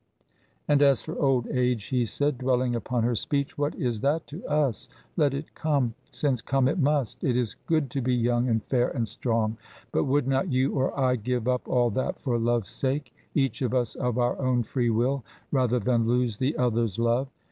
"And as for old age," he said, dwelling upon her speech, "what is that to us? Let it come, since come it must. It is good to be young and fair and strong, but would not you or I give up all that for love's sake, each of us of our own free will, rather than lose the other's love?"